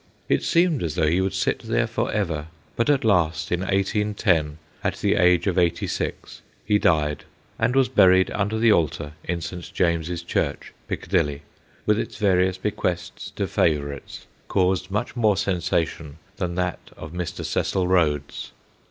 It seemed as though he would sit there for ever ; but at last, in 1810, at the age of eighty six, he died, and was buried under the altar in St. James's Church, Piccadilly, and his will, with its various bequests to favourites, caused much more sensation than that of Mr. Cecil Rhodes.